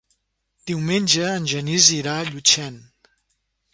Diumenge en Genís irà a Llutxent.